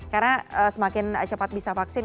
karena semakin cepat bisa vaksin